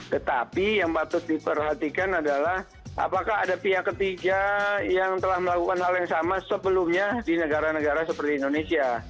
tetapi yang patut diperhatikan adalah apakah ada pihak ketiga yang telah melakukan hal yang sama sebelumnya di negara negara seperti indonesia